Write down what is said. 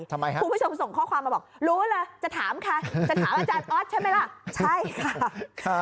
คุณผู้ชมส่งข้อความมาบอกรู้เหรอจะถามอาจารย์ออสใช่ไหมล่ะ